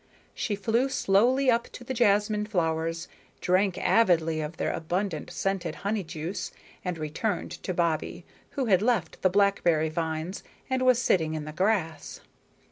She flew slowly up to the jasmine flowers, drank avidly of their abundant scented honey juice, and returned to Bobbie, who had left the blackberry vines and was sitting in the grass.